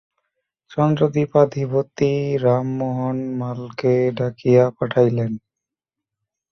চন্দ্রদ্বীপাধিপতি রামমোহন মালকে ডাকিয়া পাঠাইলেন।